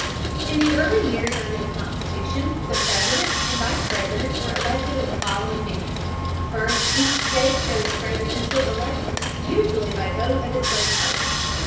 In the early years under the Constitution the Presidents and Vice Presidents were elected in the following manner. First each state chose presidential electors usually by vote of its legislature.